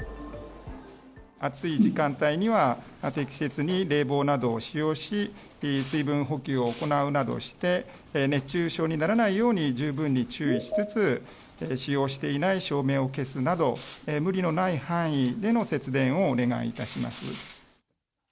暑い時間帯には、適切に冷房などを使用し、水分補給を行うなどして、熱中症にならないように十分に注意しつつ、使用していない照明を消すなど、無理のない範囲での節電をお願いいたします。